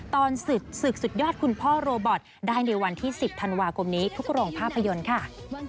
ตอนศึกศึกสุดยอดคุณพ่อโรบอตได้ในวันที่๑๐ธันวาคมนี้ทุกโรงภาพยนตร์ค่ะ